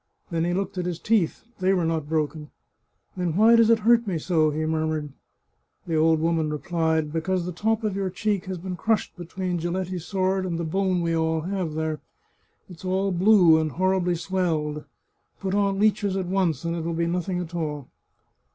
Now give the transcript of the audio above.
Then he looked at his teeth ; they were not broken. " Then why does it hurt me so ?" he murmured. The old woman replied :" Because the top of your cheek has been crushed between Giletti's sword and the bone we all have there. It's all blue and horribly swelled. Put on leeches at once, and it will be nothing at all."